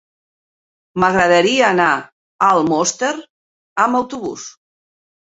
M'agradaria anar a Almoster amb autobús.